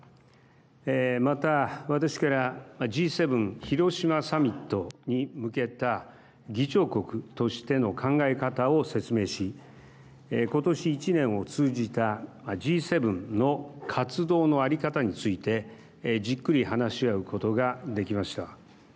また、私からＧ７広島サミットに向けた議長国としての考え方を説明しことし１年を通じたＧ７の活動のあり方についてじっくり話し合うことができました。